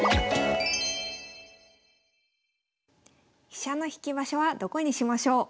飛車の引き場所はどこにしましょう？